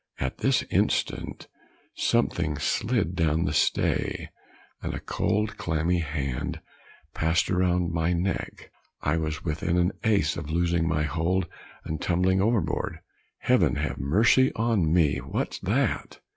At this instant something slid down the stay, and a cold clammy hand passed around my neck. I was within an ace of losing my hold and tumbling overboard. "Heaven have mercy on me what's that?"